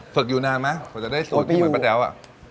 ฝึกอยู่นานไหมกว่าจะได้สูตรพี่เหมือนป้าแต๋วอ่ะ